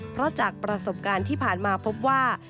เพราะจากประสบการณ์ที่ผ่านมาพบว่า